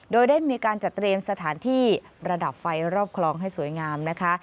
โดยได้มีการจัดเตรียมสถานที่ระดับไฟรอบคลองให้สวยงามนะคะ